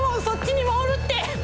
そっちにもおるって。